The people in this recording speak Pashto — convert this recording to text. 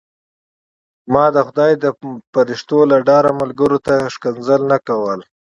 ما د خدای د فرښتو له ډاره ملګرو ته کنځل نه کول.